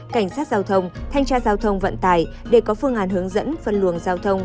cảnh sát giao thông thanh tra giao thông vận tải để có phương án hướng dẫn phân luồng giao thông